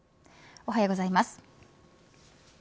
おはようございます。